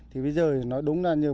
thì bây giờ nó đúng là như